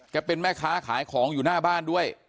เป็นแม่ค้าขายของอยู่หน้าบ้านด้วย